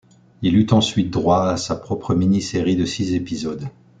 Il eut ensuite droit à sa propre mini-série de six épisodes.